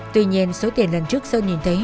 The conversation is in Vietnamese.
tuy nhiên số tiền lần trước sơn nhìn thấy